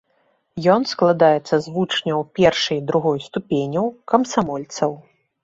Ён складаецца з вучняў першай і другой ступеняў, камсамольцаў.